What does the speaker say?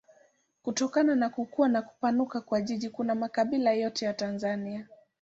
Kutokana na kukua na kupanuka kwa jiji kuna makabila yote ya Tanzania.